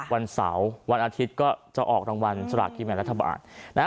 วันเสาร์วันอาทิตย์ก็จะออกรางวัลสลากกินแบ่งรัฐบาลนะฮะ